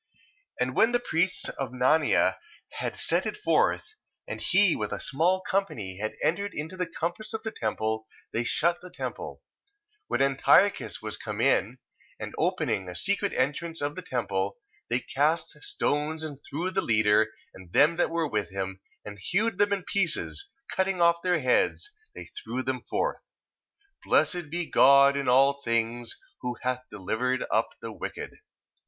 1:15. And when the priests of Nanea had set it forth, and he with a small company had entered into the compass of the temple, they shut the temple, 1:16. When Antiochus was come in: and opening a secret entrance of the temple, they cast stones and slew the leader, and them that were with him, and hewed them in pieces; and cutting off their heads, they threw them forth. 1:17. Blessed be God in all things, who hath delivered up the wicked.